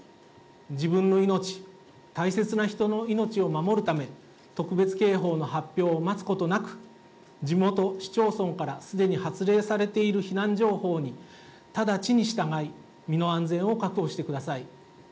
自分の命、大切な人の命を守るため、特別警報の発表を待つことなく、地元市町村からすでに発令されている避難情報に直ちに従い、身の安全を確保してください。